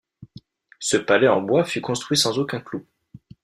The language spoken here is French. Ce palais en bois fut construit sans aucun clou.